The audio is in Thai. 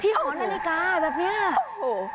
หอนาฬิกาแบบนี้โอ้โห